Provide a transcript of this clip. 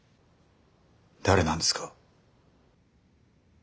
誰なんですか？